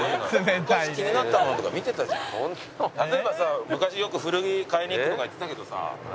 例えばさ昔よく「古着買いに行く」とか言ってたけどさ